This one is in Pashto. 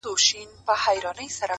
• غوږ سه راته ـ